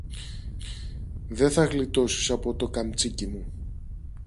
δε θα γλιτώσεις από το καμτσίκι μου.